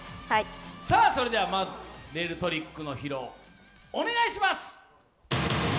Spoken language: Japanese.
それではまず、レールトリックの披露お願いします！